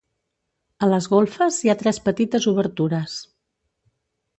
A les golfes hi ha tres petites obertures.